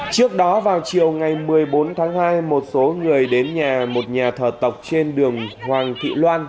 trước đó vào chiều ngày một mươi bốn tháng hai một số người đến nhà một nhà thờ tộc trên đường hoàng thị loan